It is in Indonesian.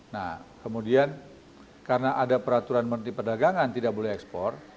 nah kemudian karena ada peraturan menteri perdagangan tidak boleh ekspor